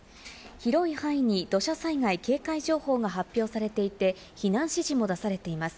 広い範囲に土砂災害警戒情報が発表されていて、避難指示も出されています。